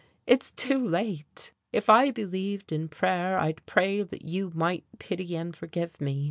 It's too late. If I believed in prayer I'd pray that you might pity and forgive me.